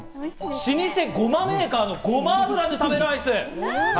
老舗ごまメーカーのごま油で食べる、ごまアイス。